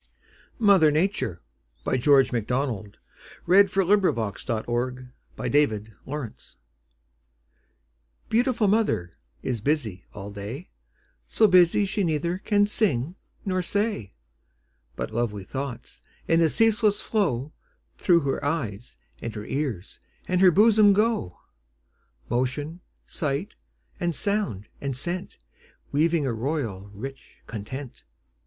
Need I tell you whose the hand Bears him high o'er sea and land? MOTHER NATURE. Beautiful mother is busy all day, So busy she neither can sing nor say; But lovely thoughts, in a ceaseless flow, Through her eyes, and her ears, and her bosom go Motion, sight, and sound, and scent, Weaving a royal, rich content.